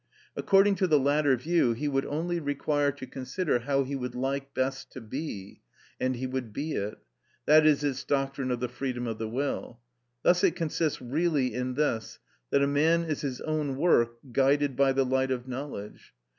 According to the latter view, he would only require to consider how he would like best to be, and he would be it; that is its doctrine of the freedom of the will. Thus it consists really in this, that a man is his own work guided by the light of knowledge.